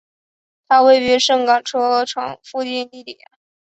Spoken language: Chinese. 它位于盛港车厂附近地底。